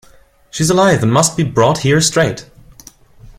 She's alive and must be brought here straight!